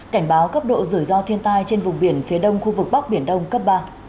cảnh báo cấp độ rủi ro thiên tai trên vùng biển phía đông khu vực bắc biển đông cấp ba